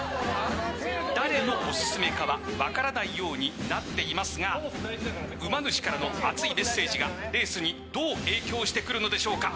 誰のオススメかは分からないようになっていますがうま主からの熱いメッセージがレースにどう影響してくるのでしょうか。